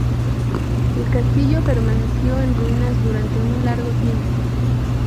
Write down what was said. El castillo permaneció en ruinas durante un largo tiempo.